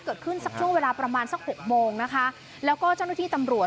สักช่วงเวลาประมาณสักหกโมงนะคะแล้วก็เจ้าหน้าที่ตำรวจ